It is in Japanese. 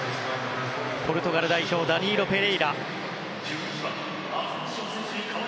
ポルトガル代表ダニーロ・ペレイラ。